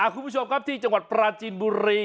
คุณผู้ชมครับที่จังหวัดปราจีนบุรี